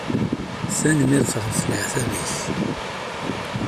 Tanemmirt ɣef leɛtab-ik.